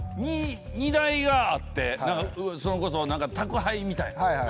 荷台があってそれこそ宅配みたいな。